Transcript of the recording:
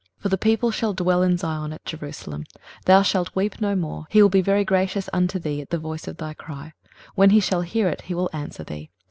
23:030:019 For the people shall dwell in Zion at Jerusalem: thou shalt weep no more: he will be very gracious unto thee at the voice of thy cry; when he shall hear it, he will answer thee.